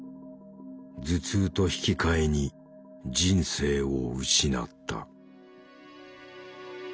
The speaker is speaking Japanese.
頭痛と引き換えに人生を失った。